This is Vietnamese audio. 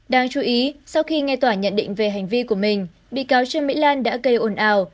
đáng chú ý sau khi nghe tòa nhận định về hành vi của mình bị cáo trương mỹ lan đã gây ồn ào